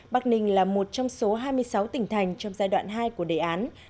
bắc ninh là một trong số hai mươi sáu tỉnh thành trong giai đoạn hai của đề án